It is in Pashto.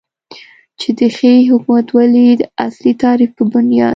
چې د ښې حکومتولې داصلي تعریف په بنیاد